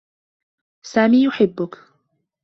سامي يحبّكِ